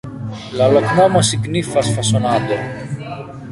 La loknomo signifas: fasonado.